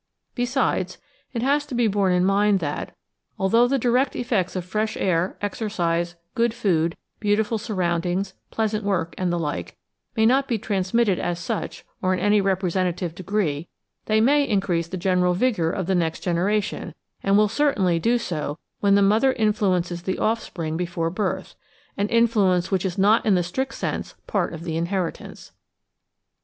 Besides, it has to be borne in mind that, although the direct effects of fresh air, exercise, good food, beautiful surroundings, pleasant work, and the like, may not be transmitted as such or in any representative degree, they may increase the general vigour of the next generation, and will cer tainly do so when the mother influences the offspring before birth — an influence which is not in the strict sense part of the inheritance.